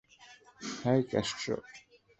হেই, Castro.